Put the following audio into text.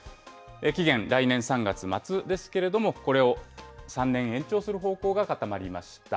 期限、来年３月末ですけれども、これを３年延長する方向が固まりました。